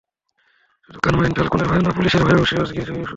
শুধু কারমাইন ফ্যালকোনের হয়ে না, পুলিশের হয়েও চরগিরি করো তুমি।